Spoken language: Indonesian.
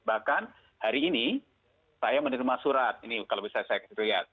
bahkan hari ini saya menerima surat ini kalau bisa saya lihat